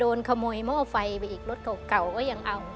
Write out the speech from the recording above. มาดวนขโมยเม่าไฟไปอีกรถเก่ายังเอา